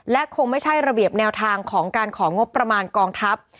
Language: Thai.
และคงไม่ใช่ระเบียบแนวทางของการของงบประมาณกองทัพ